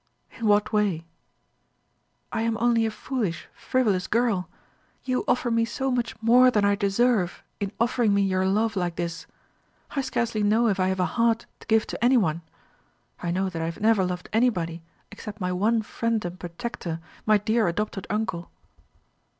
"In what way?" "I am only a foolish frivolous girl. You offer me so much more than I deserve in offering me your love like this. I scarcely know if I have a heart to give to any one. I know that I have never loved anybody except my one friend and protector, my dear adopted uncle."